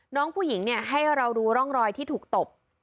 น้องผู้หญิงเนี่ยให้เราดูร่องรอยที่ถูกตบ